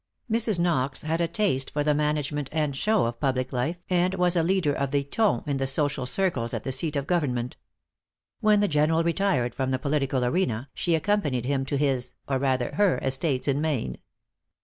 Mrs. Knox had a taste for the management and show of public life, and was a leader of the ton in the social circles at the seat of government. When the General retired from the political arena, she accompanied him to his or rather her estates in Maine.